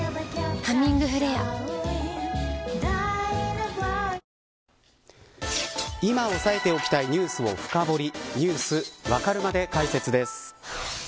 「ハミングフレア」今押さえておきたいニュースを深掘りＮｅｗｓわかるまで解説です。